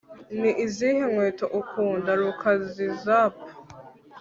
ni izihe nkweto ukunda? (lukaszpp